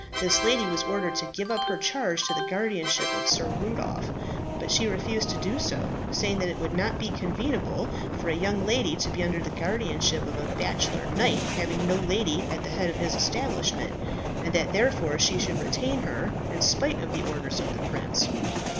This lady was ordered to give up her charge to the guardianship of Sir Rudolph; but she refused to do so, saying that it would not be convenable for a young lady to be under the guardianship of a bachelor knight having no lady at the head of his establishment, and that therefore she should retain her, in spite of the orders of the Prince.